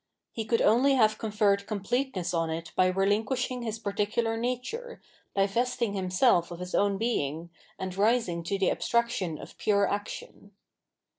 He could only have conferred completeness on it by relinq^uishing bis particular nature, divesting himself of his own being, and rising to the abstraction of pure action.